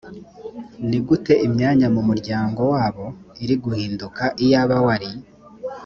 ni gute imyanya mu muryango wabo iri guhinduka iyaba wari